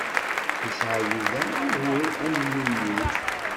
Yesɛa Yuba ugur am win-iw.